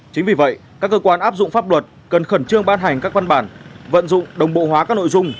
chính vì vậy các cơ quan áp dụng pháp luật cần khẩn trương ban hành các văn bản vận dụng đồng bộ hóa các nội dung